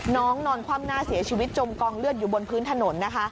น้องนอนความน่าเสียชีวิตจมกองเลือดอยู่บนพื้นถนน